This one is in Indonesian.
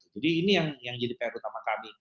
jadi ini yang menjadi pr utama kami